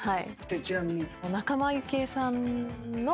ちなみに。